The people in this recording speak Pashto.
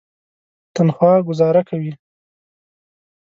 تنخوا ګوزاره کوي.